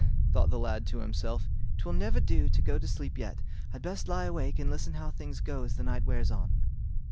thought the lad to himself, "'twill never do to go to sleep yet. I'd best lie awake and listen how things go as the night wears on."